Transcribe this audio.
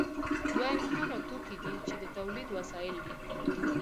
دویم هغه توکي دي چې د تولید وسایل دي.